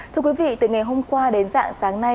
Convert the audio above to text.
thưa quý vị từ ngày hôm qua đến dạng sáng nay